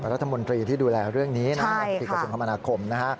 รัฐมนตรีที่ดูแลเรื่องนี้ที่กระทรวงคมนาคม